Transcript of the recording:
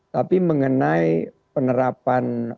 tapi mengenai penerapan pajak daerah empat puluh tahun